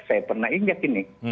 saya pernah ingat ini